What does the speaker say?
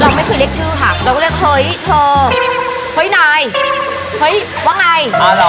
ไม่เคยเรียกชื่อค่ะเราก็เรียกเฮ้ยเธอเฮ้ยนายเฮ้ยว่าไง